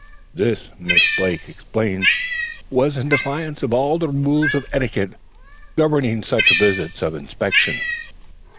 This, Miss Blake explained, was in defiance of all the rules of etiquette governing such visits of inspection.